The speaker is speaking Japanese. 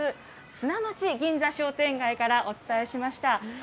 砂町銀座商店街からお伝えしました。